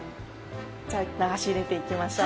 じゃあ流し入れていきましょう。